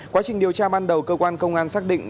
quá trình điều tra ban đầu cơ quan công an xác định